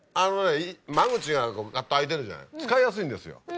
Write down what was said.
間口がガッと開いてるじゃない使いやすいんですよ。